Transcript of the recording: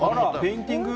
ペインティング？